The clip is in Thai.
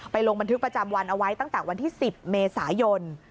ลงบันทึกประจำวันเอาไว้ตั้งแต่วันที่๑๐เมษายน